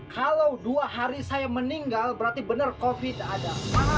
kalau dua hari saya meninggal berarti benar covid ada